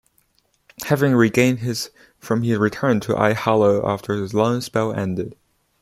Having regained his form he returned to Al-Hilal after the loan spell ended.